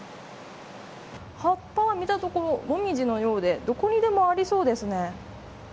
葉っぱは見たところモミジのようでどこにでもありそうですね。